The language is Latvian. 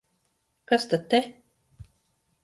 Kas tad te?